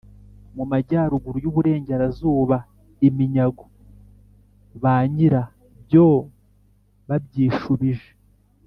mu majyaruguru y' uburengerazuba iminyago ba nyira byo babyishubije.